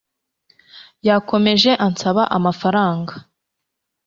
Yakomeje ansaba amafaranga